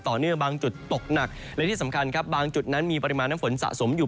เนื่อบางจุดตกหนักและที่สำคัญครับบางจุดนั้นมีปริมาณน้ำฝนสะสมอยู่